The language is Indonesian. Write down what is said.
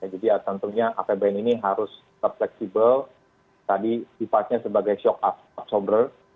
jadi tentunya apbn ini harus terfleksibel tadi dipakai sebagai shock absorber